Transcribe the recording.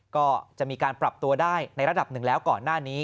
ก็จะมีการปรับตัวได้ในระดับหนึ่งแล้วก่อนหน้านี้